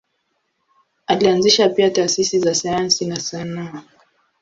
Alianzisha pia taasisi za sayansi na sanaa.